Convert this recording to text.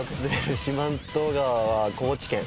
四万十川は高知県。